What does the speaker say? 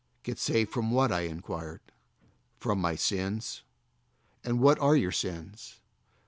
"Get saved from what?" I inquired. "From my sins." "And what are your sins?"